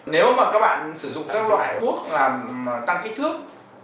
nếu mà các bạn sử dụng các loại thuốc làm tăng kích thước